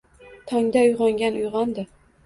Tongda uyqudan uygʻondi